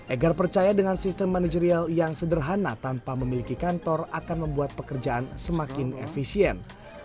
egar percaya dengan sistem manajerial yang sederhana tanpa memiliki kantor akan membuat pekerjaan semakin efisien